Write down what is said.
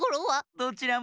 どちらも。